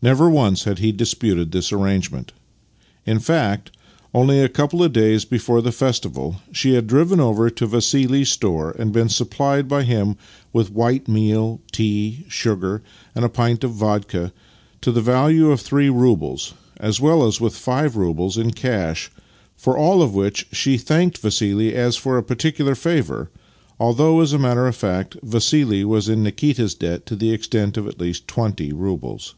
Never once had he disputed this arrangement. In fact, only a couple of days before the festival she had driven over to Vassili's store, and been supplied by him with white meal, tea, sugar, and a pint of vodka, to the value of three roubles, as well as with five roubles in cash — for all of which she had thanked Vassili as for a particular favour, although, as a matter of fact, Vassih was in Nikita's debt to the extent of at least twenty roubles.